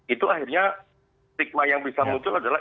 itu akhirnya stigma yang bisa muncul adalah